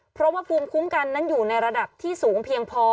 เพราะว่าภูมิคุ้มกันนั้นอยู่ในระดับที่สูงเพียงพอ